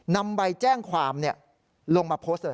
นำใบแจ้งความลงมาพต์